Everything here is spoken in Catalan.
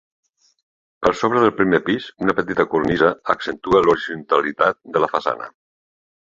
Per sobre del primet pis una petita cornisa accentua l'horitzontalitat de la façana.